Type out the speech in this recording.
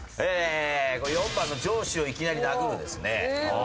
４番の「上司をいきなり殴る」ですね。